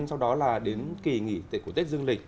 sau đó là đến kỳ nghỉ của tết dương lịch